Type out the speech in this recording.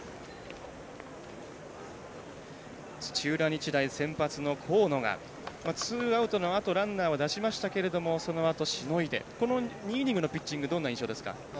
日大、先発の河野がツーアウトのあとランナーを出しましたけどそのあとしのいでこの２イニングのピッチングどんな印象ですか？